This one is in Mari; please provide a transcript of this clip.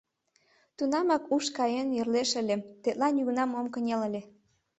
Тунамак уш каен йӧрлеш ыле — тетла нигунам ок кынел ыле!